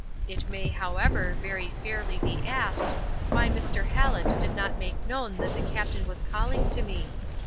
It may, however, very fairly be asked, why Mr. Hallet did not make known that the captain was calling to me?